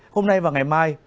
hôm nay và ngày mai